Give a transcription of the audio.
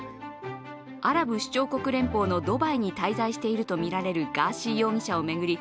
アラブ首長国連邦のドバイに滞在しているとみられるガーシー容疑者を巡り